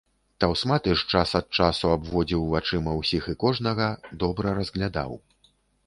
Таўсматы ж час ад часу абводзіў вачыма ўсіх і кожнага добра разглядаў.